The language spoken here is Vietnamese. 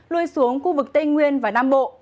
lui xuống khu vực tây nguyên và nam bộ